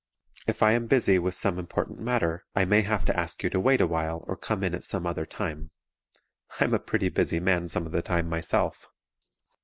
If I am busy with some important matter I may have to ask you to wait awhile or come in at some other time. I'm a pretty busy man some of the time, myself!